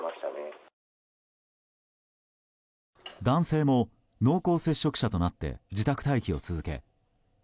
男性も濃厚接触者となって自宅待機を続け